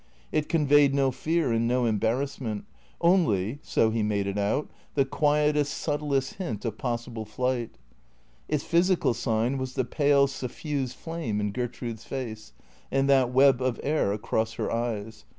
It conveyed no fear and no embarrassment, only (so he made it out) the quietest, subtlest hint of possible fliglit. Its physical sign was the pale, suffused flame in Ger trude's face, and that web of air across her eyes.